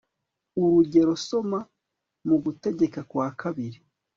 urugero soma mu gutegeka kwa kabiri